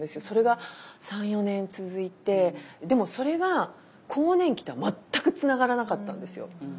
それが３４年続いてでもそれが更年期とは全くつながらなかったんですよ。